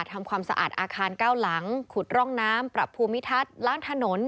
ทำความสะอาดอาคารเก้าหลังขุดร่องน้ำปรับภูมิทัศน์ล้างถนน